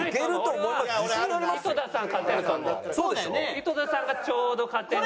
井戸田さんがちょうど勝てる。